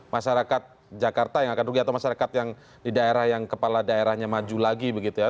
masyarakat jakarta yang akan rugi atau masyarakat yang di daerah yang kepala daerahnya maju lagi begitu ya